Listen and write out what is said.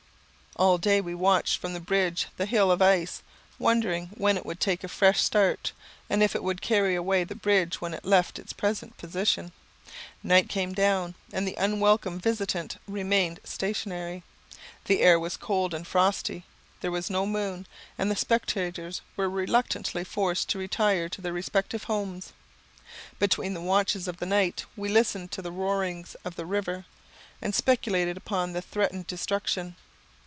All day we watched from the bridge the hill of ice, wondering when it would take a fresh start, and if it would carry away the bridge when it left its present position. Night came down, and the unwelcome visitant remained stationary. The air was cold and frosty. There was no moon, and the spectators were reluctantly forced to retire to their respective homes. Between the watches of the night we listened to the roaring of the river, and speculated upon the threatened destruction.